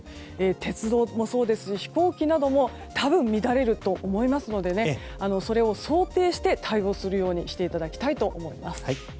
鉄道もそうですし飛行機なども多分乱れると思いますのでそれを想定して対応するようにしていただきたいと思います。